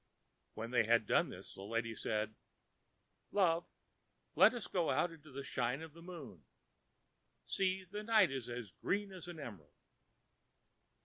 When they had done this the lady said, ãLove, let us go out into the shine of the moon. See, the night is as green as an emerald....